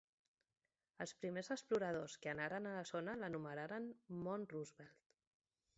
Els primers exploradors que anaren a la zona l'anomenaren Mont Roosevelt.